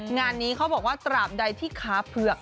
งานนี้เขาบอกว่าตราบใดที่ขาเผือก